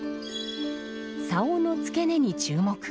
棹の付け根に注目。